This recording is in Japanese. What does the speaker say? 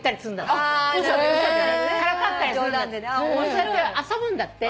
そうやって遊ぶんだって。